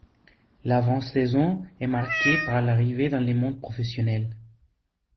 L'avant-saison est marquée par l'arrivée dans le monde professionnel.